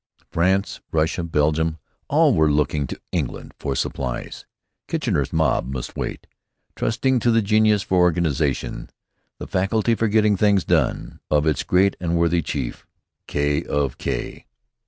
France, Russia, Belgium, all were looking to England for supplies. Kitchener's Mob must wait, trusting to the genius for organization, the faculty for getting things done, of its great and worthy chief, K. of K.